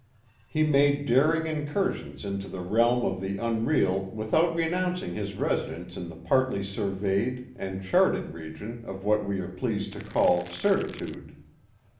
He made daring incursions into the realm of the unreal without renouncing his residence in the partly surveyed and charted region of what we are pleased to call certitude.